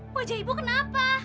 wajah ibu kenapa